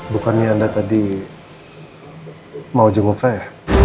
bukannya anda tadi mau jenguk saya